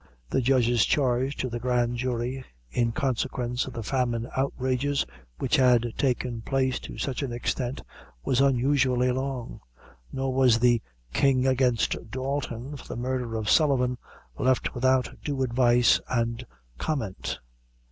The judge's charge to the grand jury, in consequence of the famine outrages which had taken place to such an extent, was unusually long; nor was the "King against Dalton," for the murder of Sullivan, left without due advice and comment.